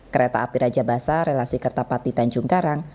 kereta api raja basa relasi kertapati tanjung karang